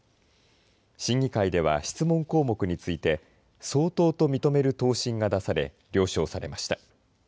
審議会では、質問項目について相当と認める答申が出され了承されました。